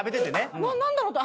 何だろう？